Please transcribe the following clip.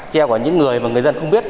treo của những người mà người dân không biết